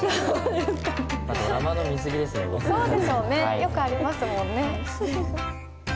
よくありますもんね。